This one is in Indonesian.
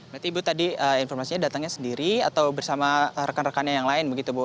berarti ibu tadi informasinya datangnya sendiri atau bersama rekan rekannya yang lain begitu bu